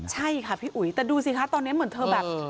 ใช่ค่ะพี่อุ๋ยแต่ดูสิคะตอนนี้เหมือนเธอแบบ